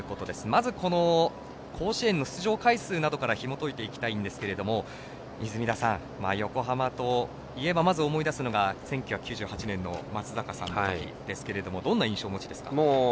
まず甲子園の出場回数などからひもといていきたいんですけども横浜といえば、まず思い出すのが１９９８年の松坂さんのときですがどんな印象をお持ちですか？